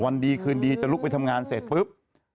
วันดีคืนดีจะลุกไปทำงานเสร็จปุ๊บ